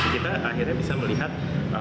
kita akhirnya bisa melihat